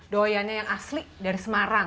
doyannya yang asli dari semarang